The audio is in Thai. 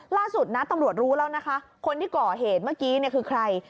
ล่าสุดนะตำรวจรู้แล้วนะคะคนที่ก่อเหตุเมื่อกี้คือใคร